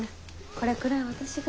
これくらい私が。